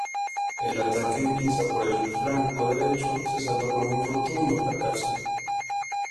El ataque en pinza por el flanco derecho se saldó con un rotundo fracaso.